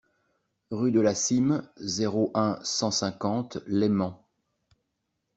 Rue de la Cîme, zéro un, cent cinquante Leyment